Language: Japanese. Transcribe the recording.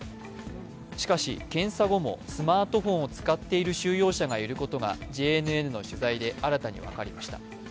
しかし、検査後もスマートフォンを使っている収容者がいることがＪＮＮの取材で新たに分かりました。